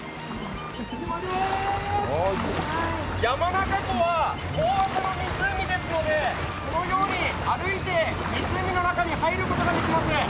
山中湖は遠浅の湖ですので、このように歩いて湖の中に入ることができます。